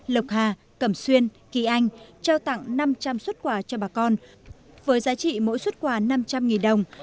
lộc hà cẩm xuyên kỳ anh trao tặng năm trăm linh xuất quà cho bà con với giá trị mỗi xuất quà năm trăm linh đồng